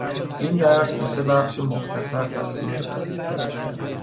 این درس به سه بخش مختصر تقسیم شده است.